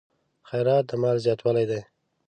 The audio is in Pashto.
خیرات د مال زیاتوالی دی.